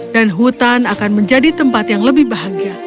dan hutan akan menjadi tempat yang lebih bahagia